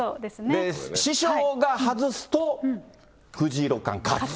師匠が外すと、藤井六冠勝つ。